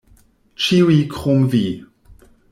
Ĉiuj krom Vi.